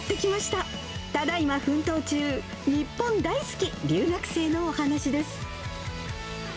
ただいま奮闘中、日本大好き留学生のお話です。